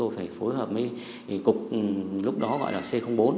và với cục lúc đó gọi là c bốn